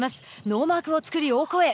ノーマークを作り、オコエ。